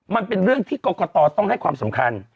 มันเป็นเรื่องที่กรกตต้องให้ความสำคัญ